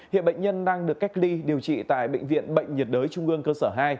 hiện bệnh nhân đang được cách ly điều trị tại bệnh viện bệnh nhiệt đới trung ương cơ sở hai